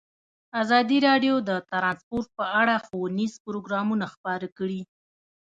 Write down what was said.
ازادي راډیو د ترانسپورټ په اړه ښوونیز پروګرامونه خپاره کړي.